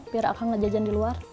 biar akang gak jajan diluar